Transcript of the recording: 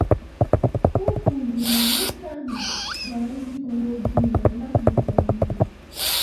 O kwuru na nwoke ahụ gwara ndị uweojii na ya mechara njem